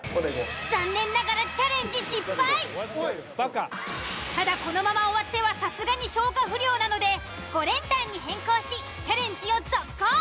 残念ながらただこのまま終わってはさすがに消化不良なので５連単に変更しチャレンジを続行。